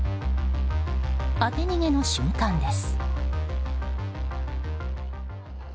当て逃げの瞬間です。